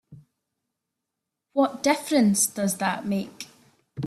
What difference does that make?